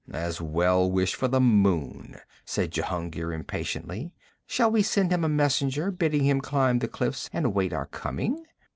'As well wish for the moon,' said Jehungir impatiently. 'Shall we send him a messenger, bidding him climb the cliffs and await our coming?'